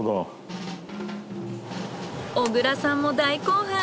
小倉さんも大興奮。